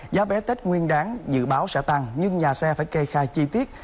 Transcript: giá vé tết nguyên đáng dự báo sẽ tăng nhưng nhà xe phải kê khai chi tiết